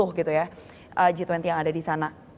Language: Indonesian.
g dua puluh gitu ya g dua puluh yang ada di sana